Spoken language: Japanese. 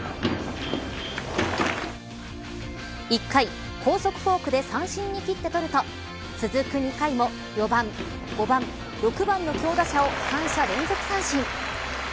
１回、高速フォークで三振に切って取ると続く２回も４番、５番、６番の強打者を三者連続三振。